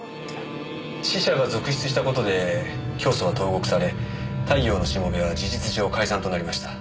死者が続出した事で教祖は投獄され太陽のしもべは事実上解散となりました。